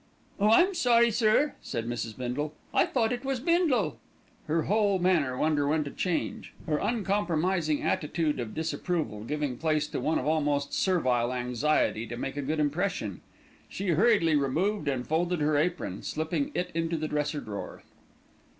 "Oh! I'm sorry, sir," said Mrs. Bindle, "I thought it was Bindle." Her whole manner underwent a change; her uncompromising attitude of disapproval giving place to one of almost servile anxiety to make a good impression. She hurriedly removed and folded her apron, slipping it into the dresser drawer.